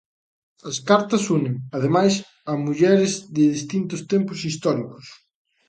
As cartas unen, ademais, a mulleres de distintos tempos históricos.